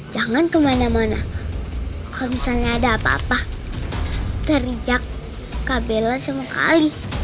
jangan kemana mana kalau misalnya ada apa apa teriak kak bella sama kak ali